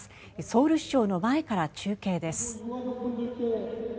ソウル市庁の前から中継です。